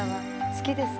好きですか？」